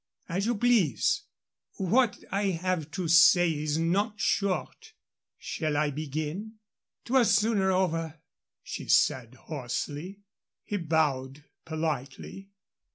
As you please. What I have to say is not short. Shall I begin?" "'Twere sooner over," she said, hoarsely. He bowed politely.